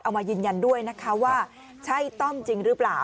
เอามายืนยันด้วยนะคะว่าใช่ต้อมจริงหรือเปล่า